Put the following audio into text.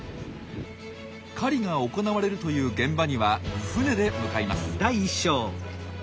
狩りが行われるという現場には船で向かいます。